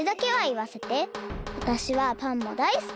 わたしはパンもだいすき！